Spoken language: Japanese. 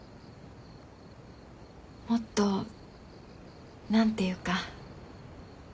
もっと何て言うか。